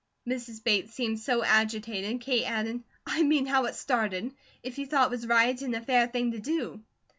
Mrs. Bates seemed so agitated Kate added: "I mean how it started. If you thought it was right and a fair thing to do."